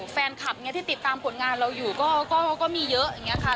แฟนคลับที่ติดตามผลงานเราอยู่ก็มีเยอะอย่างนี้ค่ะ